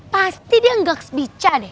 pasti dia gak kebicara deh